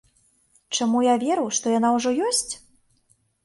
Чаму я веру, што яна ўжо ёсць?